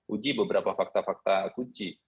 uji beberapa fakta fakta kunci